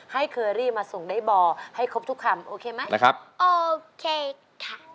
เคอรี่มาส่งได้บ่อให้ครบทุกคำโอเคไหมนะครับโอเคค่ะ